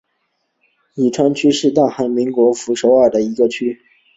衿川区是大韩民国首都首尔特别市的一个区。